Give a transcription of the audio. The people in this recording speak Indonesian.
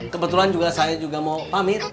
kebetulan saya juga mau pamit